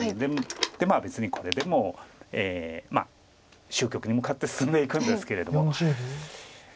まあ別にこれでも終局に向かって進んでいくんですけれども。